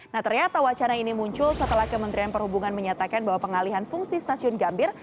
nah ternyata wacana ini muncul setelah kementerian perhubungan menyatakan bahwa pengalihan fungsi stasiun gambir